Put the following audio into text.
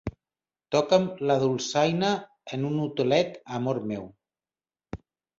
Toca'm la dolçaina en un hotelet, amor meu.